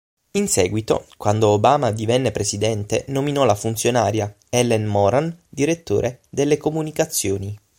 In seguito, quando Obama divenne Presidente nominò la funzionaria Ellen Moran direttore delle comunicazioni.